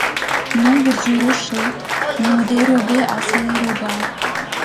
L’ombre du rocher nous dérobait a ses regards.